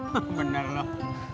hah bener loh